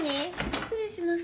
失礼します。